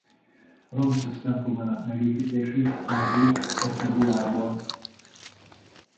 Ramszesz templomának megépítését Vádi esz-Szebuában.